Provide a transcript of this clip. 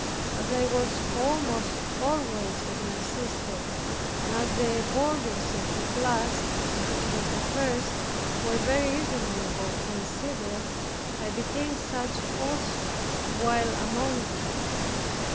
As I was almost always with my sister, and as the boarders in her class, which was the first, were very reasonable and civil. I became such also, while among them.